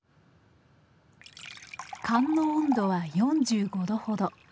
燗の温度は４５度ほど。